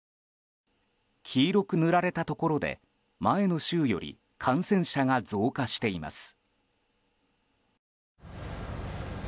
黄色く塗られたところで前の週より感染者が増加しています。